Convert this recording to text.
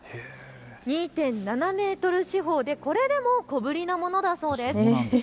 ２．７メートル四方で、これでも小ぶりなものだそうです。